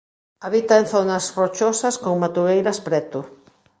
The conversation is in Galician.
Habita en zonas rochosas con matogueiras preto.